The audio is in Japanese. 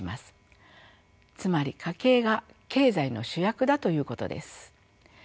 つまり家計が経済の主役だということです。